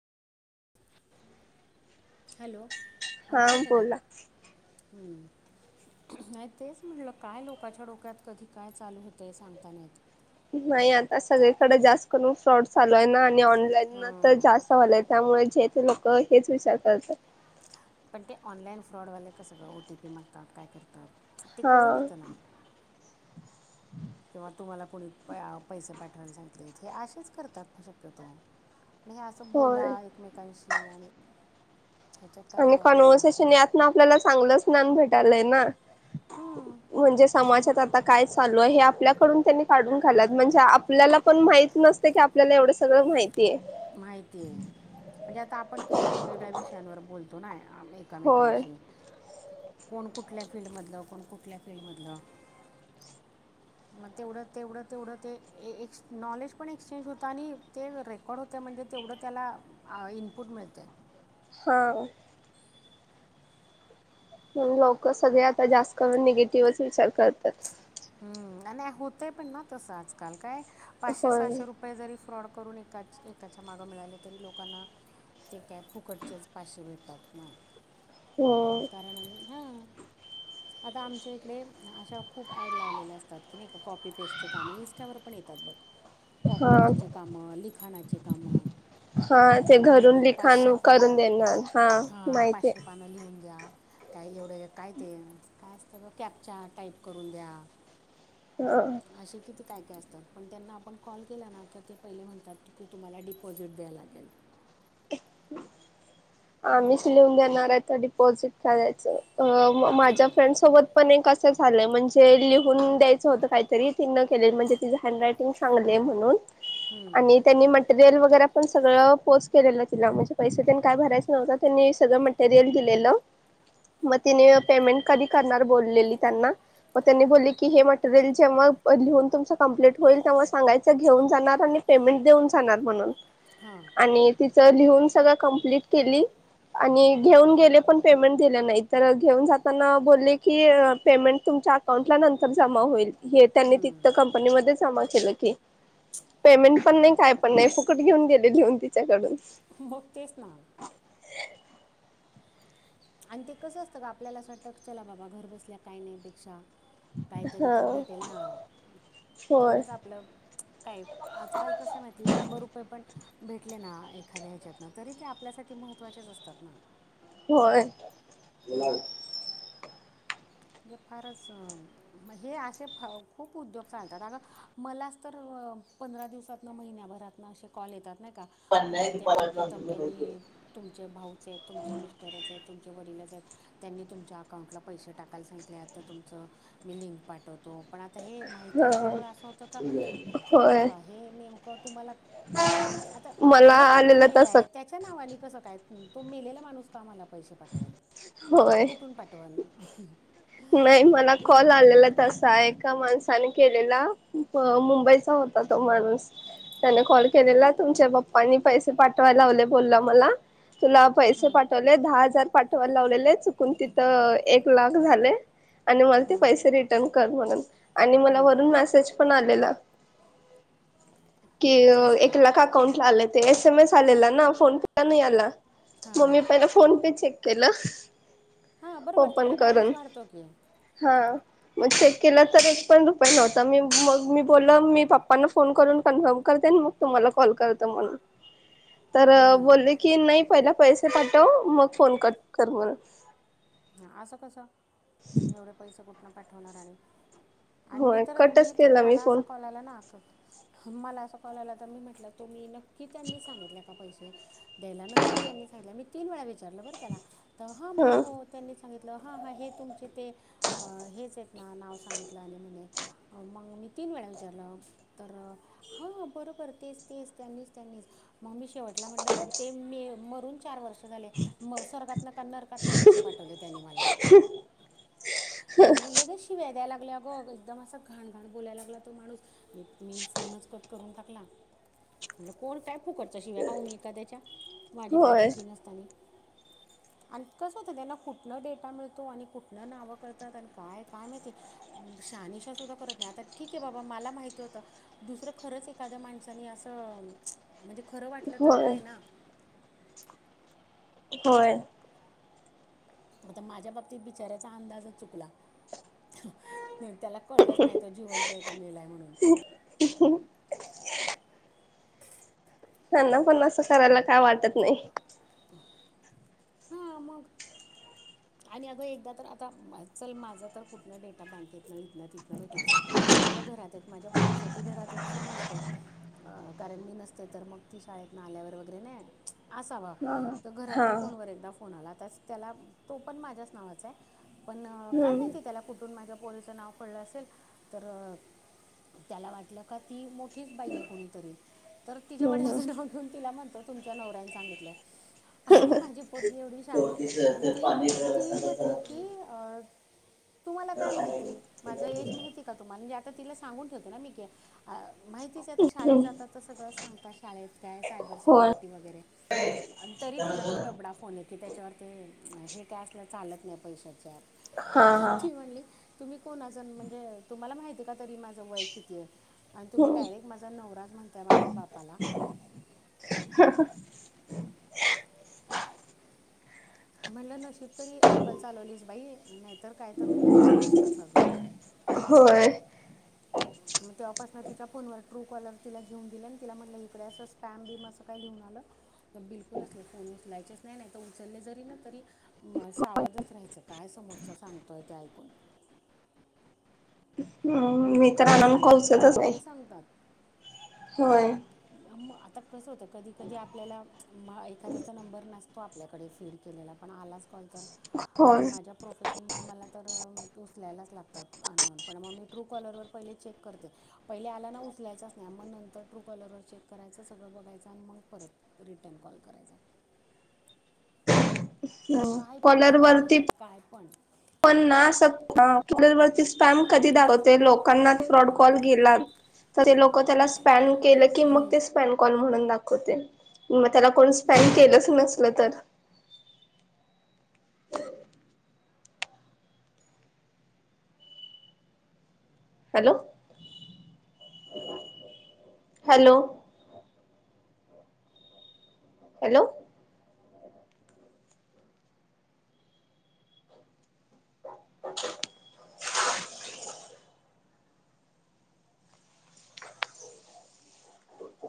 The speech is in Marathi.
हॅलो, हा आवाज येतो काय? बोला. हम्म. नाही तेच म्हटलं, काय लोकाच्या डोक्यात कधी काय चालू होतं हे सांगता नाहीत. नाही आता सगळीकडे जास्त करून फ्रॉड चालू आहे ना, आणि ऑनलाईन तर जास्त सल त्यामुळे जेथ लोक हेच विचार करतात. पण ते ऑनलाईन फ्रॉडवाले क सगळं ओ- टी-पी मागतात काय करतात. ते हा कळून येतना. किंवा तुम्हाला कोणी पैसे पाठवायला सांगले, हे असेच करतात शक्यतो. आणि हे असं बोला होय. एकमेकांशी आणि ह्याच्यात काय आणि फ्रॉड करणार कॉन्व्हर्सेशन कोणी यत ना आपल्या ला चांगलंच न्याय भेटलाय ना. मग काय चालू हे आपल्याकडून त्यांनी काून घालात, म्हणजे आपल्याला पण माहीत नसते की आपल्याला एवढं सगळं माहितीये माहिती ये म्हणजे आता आपण किती वेगवेगळ्या विषयांवर बोलतो नाय होय एकमेकांशी कोण कुठल्या फील्ड मधलं कोण कुठल्या फील्डमधलं [inaudible] मग तेवढं तेवढं तेवढं ते ए नॉलेज पण एक्सचेंज होत आणि ते [unintelligible] होतय म्हणजे तेवढं त्याला इनपुट मिळतय. हां. मंग लोक सगळे आता जास्तकरुन निगेटिव्हच विचार करतात. हम्म नाय होतय पण ना तसं आजकाल काय पाचशे होय सहाशे रुप रूपये जरी फ्रॉड करून एकाचं एकाच्या मागं मिळाले तरी लोकांना ते काय फुकटचेच पाचशे भेटतात ना. हो. कारण ह आता आमच्या इकडे अशा खूप ॲड लावलेले असतात की नाय का कॉपी पेस्टचे काम इंस्टावर पण येतात बघ कॉपी हा पेस्टचे कामं लिखाणाचे कामं हा म ते तुम्ही घरून एवढे पाचशे लिखाण पान करून देणार हा माहितीय पाचशे पान ण लिहून दया काय एवढं काय ते काय असत ग कॅपच्या टाईप करून द्या. अ असे किती काय काय असतात पण त्यांना आपण कॉल केला ना का ते पहिले म्हणतात की तुम्हाला डिपॉझिट द्यायंला लागेल. [unintelligible] मग आम्हीच लिहून देणारये त डिपॉझिट का दयायचं अ हां माझ्या फ्रेंड सोबत पण एक अस असं झालंय म्हणजे लिव लिहून द्यायच होत कायतरी तिन केल म्हणजे तिचं हॅन्ड रायटिंग चांगलेय म्हणून आणि त्यांनी मटेरियल वगैरे पण सगळं पोचं केलेलं तिला म्हणजे पैसे तेन काय भरायच नव्हत त्यांनी सगळं मटेरियल दिलेलं. म तिने पेमेंट कधी करणार बोललेली त्यांना म त्यांनी बोलले की हे मटेरियल जेव्हा लिहून तुमचं कम्प्लीट होईल तेव्हा सांगायचं घेऊन जाणार आणि पेमेंट देऊन जाणार म्हणून हा आणि तिचं लिहून सगळं कंप्लीट केली. आणि घेऊन गेले पण पेमेंट दिले नाय तर घेऊन जाताना बोलले की पेमेंट तुमच्या आ अकाउंटला नंतर जमा होईल. हे त्यांनी हम्म. तिथं कंपनीमध्ये जमा केलं की पेमेंट पण नाही काय पण नाही फुकट घेऊन गेले लीहून तिच्याकडून मग तेच ना आणि ते कसं असतं ग आपल्याला अस वाटत चला बाबा घर बसल्या काय नाय पेक्षा कायतरी हा तर भेटेल ना होय तेवढंच आपलं काय आजकाल कस माहिती शंभर रुपये पण भेटले ना एखाद्या ह्याच्यात ना तरी ते आपल्यासाठी महत्त्वाचेच असतात ना. होय. हे फारच अ म हे असे फ खूप उद्योग चालतात अग मलाच तर पंधरा दिवसात महिन्याभरात ना असे कॉल येतात नाय का ते अमक्या तमक्यांनी तुमचे भाऊचे तुमच्या मिस्टरचे तुमचे वडीलच आहेत त्यांनी तुमच्या अकाउंटला पैसे टाकायला सांगितले आता तुमचं मी लिंक पाठवतो तो पण आता हे माहिती ह असल्यामुळे असं होतं का कोण होय बाबा हे नेमकं तुम्हाला आता मला जो माणूस आलेलं मेला तसं आहे त्याच्या नावाने कसं काय तो मेलेला माणूस कामाला पैसे पाठवाल होय. कुठून पाठवाल नाही मला मग कॉल आलेला तसा एका माणसाने केलेला मुंबईचा होता तो माणूस त्याने कॉल केलेला तुमच्या पप्पानी पैसे पाठवाय लावले बोलला मला तुला पैसे पाठवले दहा पाठवायला लावले आहे चुकुन तिथ एक लाख झाले मग ते पैसै रिटन ण म वरून मेसेज पण आ कि तेच की एक लाख अकाउंटला आले ते एसएमएस आलेला ना फोन पे नाही आला हां मम्मी पप्पाला फोन पे चेक केलं हां बरोबर ओपन तिकडे बॅलन्स करून वाढतो की हां हा मग चेक केलं तर एक पण रुपये नव्हता मी मग मी बोल मी पप्पांना फोन करून कन्फर्म करतेन मग तुम्हाला कॉल करत म्हणून [inaudible] तर बोलले की नाही पहिला पैसे पाठव मग फोन कट कर म्हण हा असं कसं एवढे पैसे कुठन पाठवणार आणि आणि मी होय तर मी कटच तर केला मी मला असा फोन कॉलला नाक मला असं कॉल आला तर मी म्हटलं तु मी नक्की त्यांनी सांगितल्या का? प द्या न त्यांनी सां मी तीन वे विचारलं ब त्या ह म्हणे हा त्यांनी सांगितलं हा हा हे तुमचे ते हेच आहेत ना नाव सांगितलं आणि म्हणे मग मी तीन वेळा विचारलं तर हा बरोबर तेच तेच त्यांनीच त्यांनीच मग् ममी शेवटला म्हटलं ते म मरून चार वर्ष झाले. म स्वर्गातन नरकातन पैसे पाठवले त्यांनी मला मंगरलाद शिवाय द्याय लागल्या ग एकदम असा घाणघाण बोलायला लागला तो माणूस म तु मी फोनच कट करून टाकला म्हटलं कोण काय फुकटच्या शिवाय हो म एखाद्याच्या माझी काय होय चुकी नसताना आणि कसं होतं त्यांना कुठनं डेटा मिळतो आणि कुठनं नावं करतात आणि काय काय माहितीते शाहनिशा सुद्धा करत नाही आता ठीक आहे बाबा मला माहित होतं. दुसरं खरंच एखाद्या माणसानी असं म्हणजे खरं वाटलं तर होय काय ना होय आता माझ्या बाबतीत बिचार्याचा अंदाजच चुकला त्याला कळलंच नाही तो जिवंत हाय काय मेलाय म्हणून त्यांना पण असं करायला काय वाटत नाही हा मग आणि अगं एकदा तर आता चल माझा तर कुठनं डेटा बँकेतनं इथनं तिथनं भेटला असेल. माझ्या घरात एक माझ्या पोरीसाठी घरात एक फोन असतो. अ कारण मी नसते तर मग ती शाळेत ना आल्यावर वगैरे नाही असावं हा तर हा घरातल्या फोनवर एकदा फोन आला त्याच त्याला तो पण माझ्याच नावाचा आहे. पण काय हम्म माहीती त्याला कुठून माझ्या पोरीचं नाव कळलं असेल तर त्याला वाटलं का ती मोठीच बाई आहे कोणीतरी तर तिच्या हम्म हम्म वडिलाचं नाव घेऊन तिला म्हणतो तुमच्या नवऱ्यानी सांगितलं आणि माझे पोरगी एवढी शानी ती ती म्हटली की तुम्हाला काय माहिती माझं एज माहिती का तुम्हाला म्हणजे आता तिला सांगून ठेवते ना मी क अ माहितीच आता शाळेत जातात तर सगळं सांगतात शाळेत काय सायबर होय सिक्युरिटी वगैरे आणि तरी तिचा तो डबडा फोन आहे की त्याच्यावर ते हे का असलं चालत नाही पैशाच्या हा हा ती म्हणली तुम्ही कोणाजण म्हणजे तुम्हाला माहतीय का तरी माझं वय किती आहे आणि तुम्ही डायरेक्ट माझा नवराज म्हणताय माझ्या बापाला ह म्हणलं नशीब तरी अक्कल चालवलीस बाई नाहीतर काय तर उद्योग केला असताच अजून होय मग तेव्हापासून तिच्या फोनवर ट्रू कॉलर तिला घेऊन दिले आणि तिला म्हटलं इकडे असं स्पॅम बिम असं काही लिहून आलं तर बिलकुल असले फोन उचलायचेच नाही नाही तर उचलले जरी ना तरी म सावधच राहायचं काय समोरच सांगतोय ते ऐकून ह काही सांगतात ग काही सांगतात होय मग आता कसं होतं कधी कधी आपल्याला एखाद्याचा नंबर नसतो आपल्याकडे फीड केलेला पण आलाच कॉल तर होय आणि माझ्या प्रोफेशनमुळे मला तर उचलायलाच लागतात आणून पण मग मी ट्रू कॉलरवर पहिले चेक करते पहिले आला ना उचलायचा नाही मग नंतर ट्रू कॉलर चेक करायचं सगळं बघायचं आणि मग परत रिटर्न कॉल करायचा आणि हम्म काय पण कॉलर फ्रॉड वरती करतात काय पण पण ना सकता क्यूलर वरती स्पॅम कधी धावते लोक [unintelligible] स्न कॉल म्हणून दाखवते मग त्याला कोण स्पॅन केलंच नसल तर हॅलो हॅलो हॅलो अच्छा